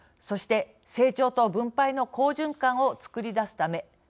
そして、成長と分配の好循環をつくり出すため。